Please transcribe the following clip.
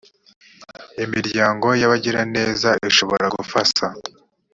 imiryango y’abagiraneza ishobora gufasa